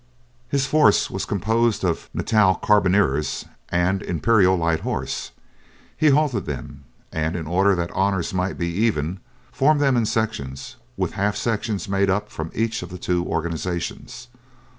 His force was composed of Natal Carbiniers and Imperial Light Horse. He halted them, and in order that honors might be even, formed them in sections with the half sections made up from each of the two organizations.